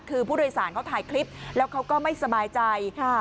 คือผู้โดยสารเขาถ่ายคลิปแล้วเขาก็ไม่สบายใจ